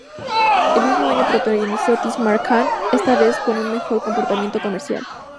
El mismo año protagonizó "Tees Maar Khan", esta vez con un mejor comportamiento comercial.